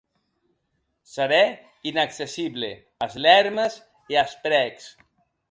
Serè inaccessible as lèrmes e as prècs.